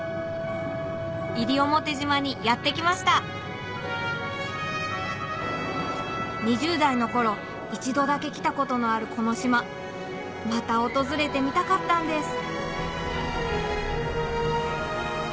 西表島にやって来ました２０代の頃一度だけ来たことのあるこの島また訪れてみたかったんです